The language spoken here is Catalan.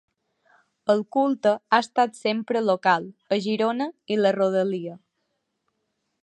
El culte ha estat sempre local, a Girona i la rodalia.